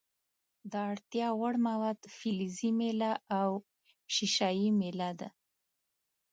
د اړتیا وړ مواد فلزي میله او ښيښه یي میله ده.